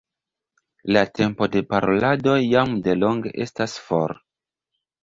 La tempo de paroladoj jam delonge estas for.